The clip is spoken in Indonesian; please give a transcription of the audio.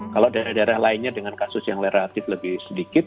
kalau daerah daerah lainnya dengan kasus yang relatif lebih sedikit